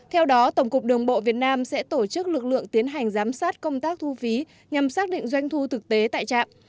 theo đó tổng cục đường bộ việt nam sẽ tổ chức lực lượng tiến hành giám sát công tác thu phí nhằm xác định doanh thu thực tế tại trạm